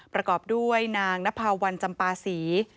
ประกอบด้วยนางนภาวันจำปาศรี